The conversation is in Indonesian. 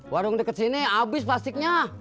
warung deket sini abis plastiknya